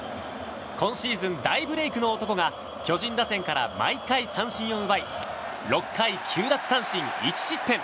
今シーズン大ブレークの男が巨人打線から毎回三振を奪い６回９奪三振１失点。